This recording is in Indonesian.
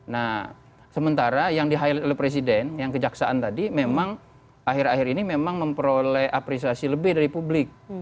nah sementara yang di highlight oleh presiden yang kejaksaan tadi memang akhir akhir ini memang memperoleh apresiasi lebih dari publik